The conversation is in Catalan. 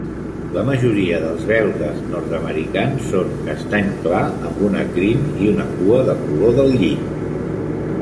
La majoria dels belgues nord-americans són castany clar amb una crin i una cua de color del lli.